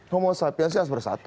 homo sapiens ini harus bersatu